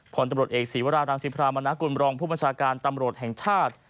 ผลตำรวจเอกศีวรารังสิพรามนากุลบรองผู้บัญชาการตำรวจแห่งชาติ